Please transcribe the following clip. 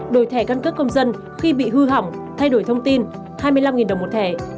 đổi thẻ căn cước công dân khi bị hư hỏng thay đổi thông tin hai mươi năm đồng một thẻ